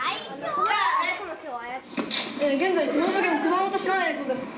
「現在熊本県熊本市の映像です。